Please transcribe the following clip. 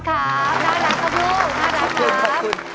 น่ารักครับผู้น่ารักครับ